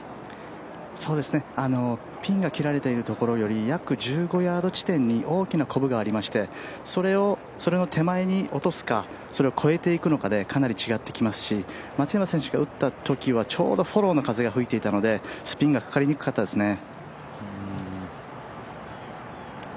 ピンが切られているところより約１５ヤード地点に大きなコブがありましてそれの手前に落とすかそれを越えていくのかでかなり違ってきてますし、松山選手が打ったときはちょうどフォローの風が吹いていたのでスピンがかかりにくかったですね。